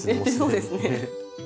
そうですね。